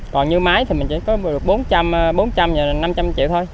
còn như máy thì mình chỉ có bốn trăm linh năm trăm linh triệu thôi